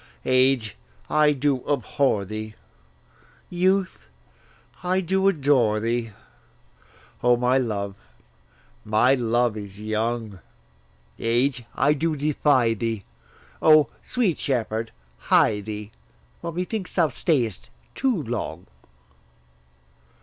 Age, I do abhor thee; youth, I do adore thee; O, my love, my love is young! Age, I do defy thee: O, sweet shepherd, hie thee, For methinks thou stay'st too long.